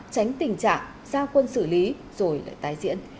tránh tình trạng gia quân xử lý rồi lại tái diễn